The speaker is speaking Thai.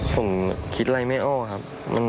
ผมคิดอะไรไม่ออกครับ